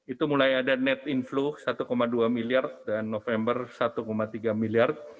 itu mulai ada net inflow satu dua miliar dan november satu tiga miliar